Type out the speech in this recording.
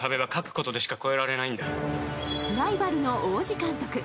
ライバルの王子監督。